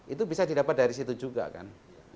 itu bisa didapat dari situ juga kan